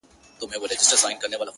پاچاهان لویه گوله غواړي خپل ځان ته،